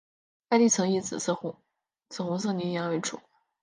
该地层以紫红色泥岩为主。